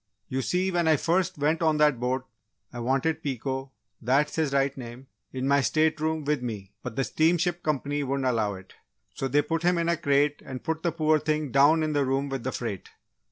"You see, when I first went on that boat, I wanted Pico that's his right name in my state room with me but the steamship company wouldn't allow it, so they put him in a crate and put the poor thing down in the room with the freight!